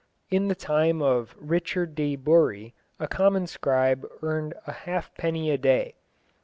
In the time of Richard de Bury a common scribe earned a halfpenny a day.